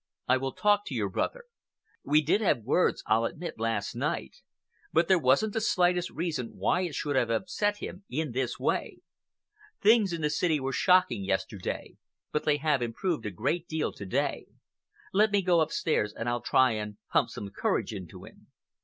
"I will talk to your brother. We did have words, I'll admit, last night, but there wasn't the slightest reason why it should have upset him in this way. Things in the city were shocking yesterday, but they have improved a great deal to day. Let me go upstairs and I'll try and pump some courage into him."